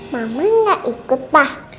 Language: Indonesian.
mama enggak ikut pak